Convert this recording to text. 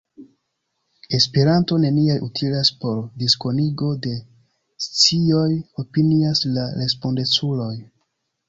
Esperanto neniel utilas por diskonigo de scioj, opinias la respondeculoj.